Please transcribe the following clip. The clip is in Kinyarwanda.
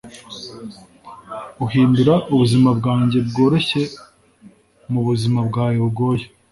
uhindura ubuzima bwanjye byoroshye mubuzima bwawe bugoye